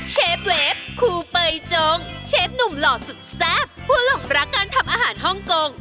เชฟเวฟคูเปยจงเชฟหนุ่มหล่อสุดแซ่บผู้หลงรักการทำอาหารฮ่องกง